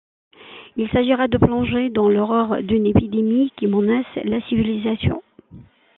Il s'agira de plonger dans l'horreur d'une épidémie qui menace la civilisation.